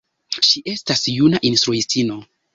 Ŝi estas juna instruistino.